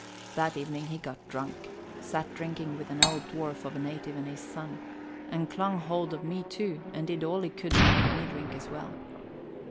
That evening he got drunk sat drinking with an old dwarf of a native and his son, and clung hold of me too, and did all he could to make me drink as well.